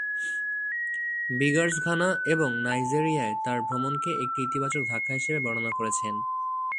বিগার্স Ghana এবং নাইজেরিয়ায় তার ভ্রমণকে একটি ইতিবাচক ধাক্কা হিসেবে বর্ণনা করেছেন।